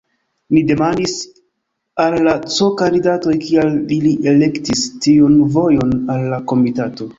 Ni demandis al la C-kandidatoj, kial ili elektis tiun vojon al la komitato.